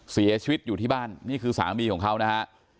เสียชีวิตอยู่ที่บ้านนี่คือสามีของเขานะฮะ